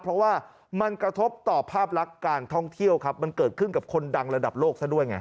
เพราะว่ามันกระทบต่อภาพลักษณ์การท่องเที่ยวครับมันเกิดขึ้นกับคนดังระดับโลกซะด้วยไง